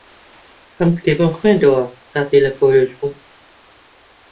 ئەم کتێبەم خوێندەوە کاتێک لە کۆلێژ بووم.